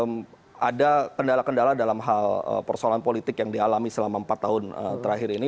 memang ada kendala kendala dalam hal persoalan politik yang dialami selama empat tahun terakhir ini